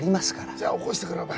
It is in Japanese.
じゃあ起こしてくれお前。